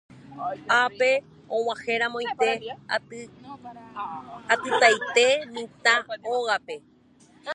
Ápe og̃uahẽramoite atytaite mitã ógape.